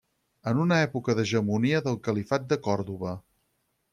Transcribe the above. En una època d'hegemonia del califat de Còrdova.